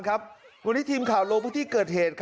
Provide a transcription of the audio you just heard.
วันนี้ทีมข่าวลงพื้นที่เกิดเหตุ